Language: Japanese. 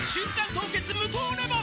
凍結無糖レモン」